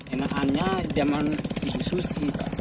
enakannya zaman ibu susi